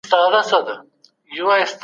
بهر وخت تېرول فشار کموي.